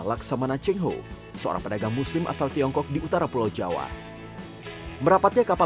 laksamana cheng ho seorang pedagang muslim asal tiongkok di utara pulau jawa merapatnya kapal